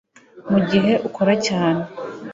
mugihe akora cyane